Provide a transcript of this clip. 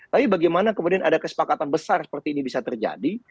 tapi bagaimana kemudian ada kesepakatan besar seperti ini bisa terjadi